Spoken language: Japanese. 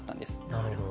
なるほど。